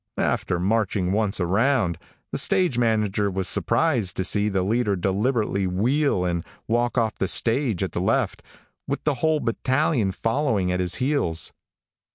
After marching once around, the stage manager was surprised to see the leader deliberately wheel, and walk off the stage, at the left, with the whole battalion following at his heels.